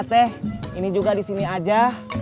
tunggu disini aja